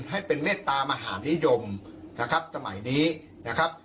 ให้เป็นเมตตามหานิยมนะครับสมัยนี้นะครับ